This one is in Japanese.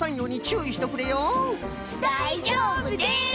だいじょうぶです！